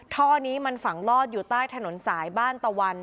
ท่อนี้มันฝังลอดอยู่ใต้ถนนสายบ้านตะวัน